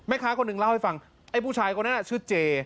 ค้าคนหนึ่งเล่าให้ฟังไอ้ผู้ชายคนนั้นชื่อเจ